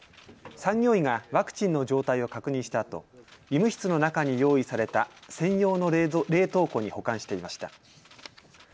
産業医がワクチンの状態を確認したあと、医務室の中に用意された専用の冷凍庫に保管していました。